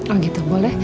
oh gitu boleh